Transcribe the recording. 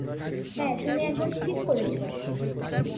হ্যাঁ, তুমি একদম ঠিক করেছ।